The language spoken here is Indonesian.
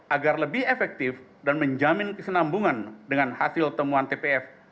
agar lebih efektif dan menjamin kesenambungan dengan hasil temuan tpf